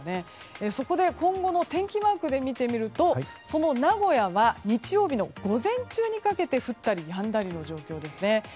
そこで、今後の天気マークで見てみるとその名古屋は日曜日の午前中にかけて降ったりやんだりの状況ですね。